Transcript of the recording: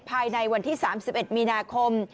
ภายในวันที่๓๑มีนาคม